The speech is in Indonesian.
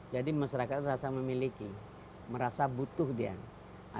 jadi masyarakat merasa memiliki merasa butuh dia